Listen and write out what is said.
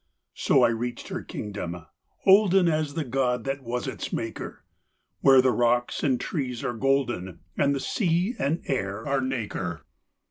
So I reached her kingdom, olden As the God that was its maker, Where the rocks and trees are golden, And the sea and air are nacre.